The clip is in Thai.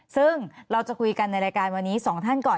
ซึ่งเราจะคุยกันในรายการวันนี้๒ท่านก่อน